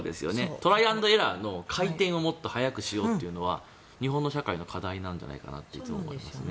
トライアンドエラーの回転をもっと速くしようというのは日本の社会の課題なんじゃないかと思うんです。